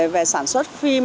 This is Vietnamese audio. về sản xuất phim